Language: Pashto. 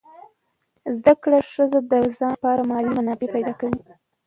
زده کړه ښځه د ځان لپاره مالي منابع پیدا کوي.